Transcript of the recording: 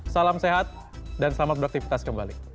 dua ribu dua puluh satu salam sehat dan selamat beraktifitas kembali